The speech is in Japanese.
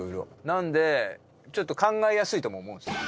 なのでちょっと考えやすいとも思うんですよ。